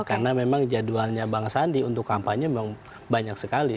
karena memang jadwalnya bang sandi untuk kampanye memang banyak sekali